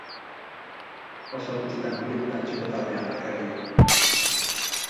Oso gutxitan hurbildu da etxeko taldea markagailuan.